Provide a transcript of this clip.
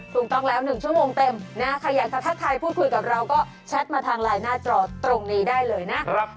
ถูกต้องแล้ว๑ชั่วโมงเต็มนะใครอยากจะทักทายพูดคุยกับเราก็แชทมาทางไลน์หน้าจอตรงนี้ได้เลยนะ